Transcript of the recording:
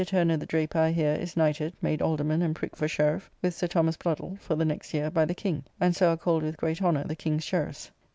Turner, the draper, I hear, is knighted, made Alderman, and pricked for Sheriffe, with Sir Thomas Bluddel, for the next year, by the King, and so are called with great honour the King's Sheriffes.